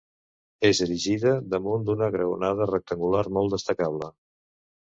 És erigida damunt d'una graonada rectangular molt destacable.